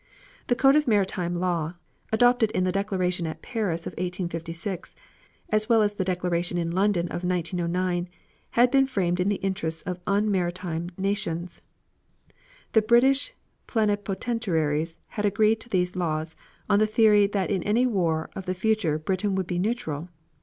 The code of maritime law, adopted in the Declaration at Paris of 1856, as well as the Declaration in London of 1909, had been framed in the interests of unmaritime nations. The British plenipotentiaries had agreed to these laws on the theory that in any war of the future Britain would be neutral.